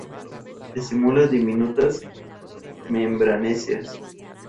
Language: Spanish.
Estípulas diminutas, membranáceas.